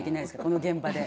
この現場で。